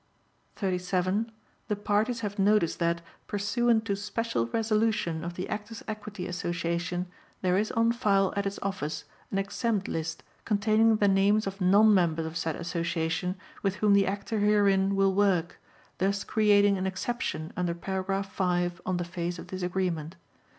37. The parties have notice that, pursuant to special resolution of the Actors' Equity Association, there is on file at its office an exempt list containing the names of non members of said Association with whom the actor herein will work, thus creating an exception under paragraph 5 on the face of this agreement.